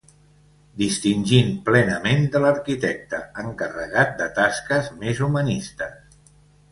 Distingint plenament de l'arquitecte, encarregat de tasques més humanistes.